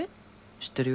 知ってるよ。